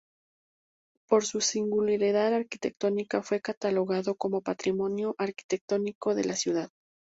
Por su singularidad arquitectónica fue catalogado como Patrimonio arquitectónico de la ciudad.